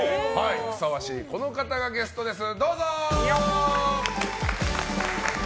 ふさわしい、この方がゲストです。